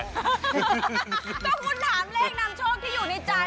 ถ้าคุณถามเลขนำโชคที่อยู่ในใจ